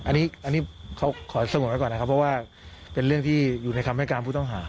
อันนี้เขาขอสงบไว้ก่อนนะครับเพราะว่าเป็นเรื่องที่อยู่ในคำให้การผู้ต้องหา